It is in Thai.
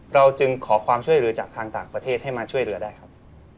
เราจึงขอความช่วยเหลือจากทางต่างประเทศให้มาช่วยเรือได้ครับ